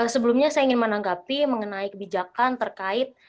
sebelumnya saya ingin menanggapi mengenai kebijakan terkait